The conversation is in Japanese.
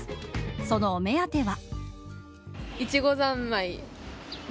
そのお目当ては。